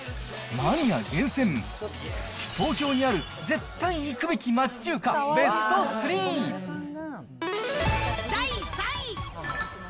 マニア厳選、東京にある絶対に行くべき町中華、第３位。